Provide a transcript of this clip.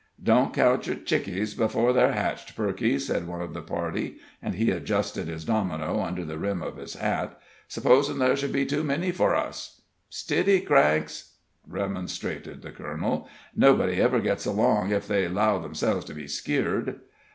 "Don't count yer chickings 'fore they're hetched, Perky," said one of the party, as he adjusted his domino under the rim of his hat. "'S'posin' ther' shud be too many for us?" "Stiddy, Cranks!" remonstrated the colonel. "Nobody ever gets along ef they 'low 'emselves to be skeered."